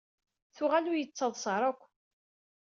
Tuɣal ur yi-d-ttaḍṣa ara akk.